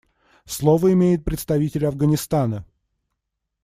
Слово имеет представитель Афганистана.